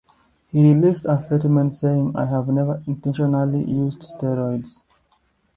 He released a statement saying, I have never intentionally used steroids.